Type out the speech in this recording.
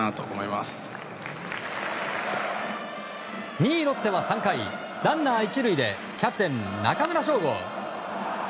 ２位、ロッテは３回ランナー１塁でキャプテン、中村奨吾。